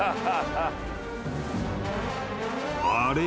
［「あれ？